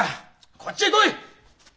こっちへ来い！